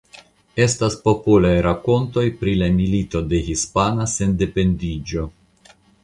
Estas popolaj rakontoj pri la Milito de Hispana Sendependiĝo.